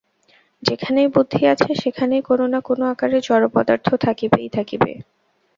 যেখানেই বুদ্ধি আছে, সেখানেই কোন-না-কোন আকারে জড় পদার্থ থাকিবেই থাকিবে।